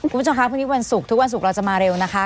ทุกวันศุกร์เราจะมาเร็วนะคะ